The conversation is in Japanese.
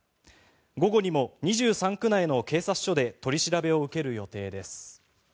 午後にも２３区内の警察署で取り調べを受ける予定です。